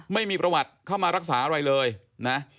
ไม่มีประวัติเข้ามารักษาอะไรเลยนะ